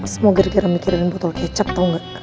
semoga gara gara mikirin botol kecap tau gak